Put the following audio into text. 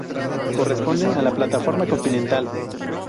Corresponde a la plataforma continental.